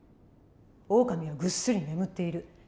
オオカミはぐっすり眠っている。